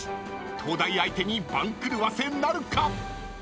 ［東大相手に番狂わせなるか⁉］